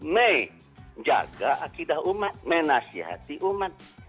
menjaga akidah umat menasihati umat